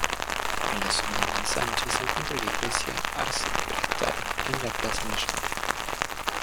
En la zona del ensanche, se encuentra la Iglesia Arciprestal, en la Plaza Mayor.